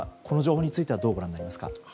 この情報についてはどうご覧になりますか。